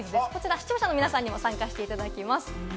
視聴者の皆さんにも参加していただきます。